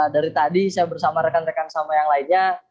dari tadi saya bersama rekan rekan sama yang lainnya